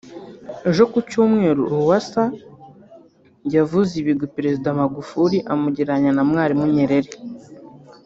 Ejo ku Cyumweru Lowassa yavuze ibigwi Perezida Magufuli amugereranya na Mwalimu Nyerere